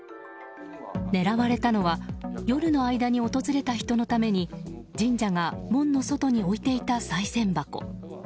狙われたのは夜の間に訪れた人のために神社が門の外に置いていたさい銭箱。